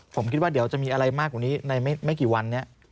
ผมคิดว่าเดี๋ยวจะมีอะไรมากกว่านี้ในไม่กี่วันนี้